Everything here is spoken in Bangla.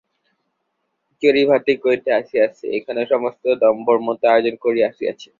চড়িভাতি করিতে আসিয়াছি, এখানেও সমস্ত দস্তুরমত আয়োজন করিয়া আসিয়াছে।